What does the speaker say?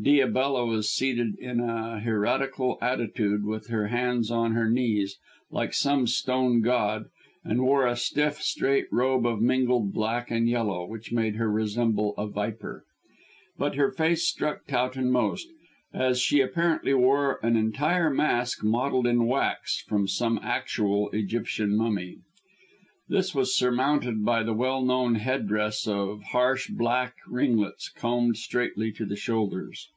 Diabella was seated in a hieratical attitude with her hands on her knees, like some stone god, and wore a stiff straight robe of mingled black and yellow, which made her resemble a viper. But her face struck Towton most, as she apparently wore an entire mask modelled in wax from some actual Egyptian mummy. This was surmounted by the well known head dress of harsh black ringlets, combed straightly to the shoulders.